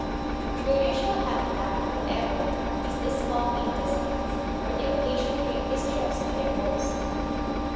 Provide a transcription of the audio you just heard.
Their usual habitat, however, is the small intestines, where they occasion great distress to their host.